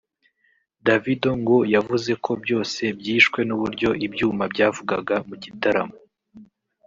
Davido ngo yavuze ko byose byishwe n’uburyo ibyuma byavugaga mu gitaramo